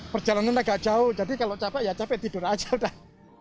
perjalanan agak jauh jadi kalau capek ya capek tidur aja udah